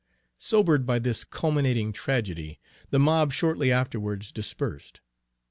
Sobered by this culminating tragedy, the mob shortly afterwards dispersed.